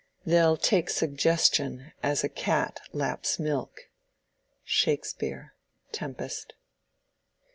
They'll take suggestion as a cat laps milk. —SHAKESPEARE: Tempest.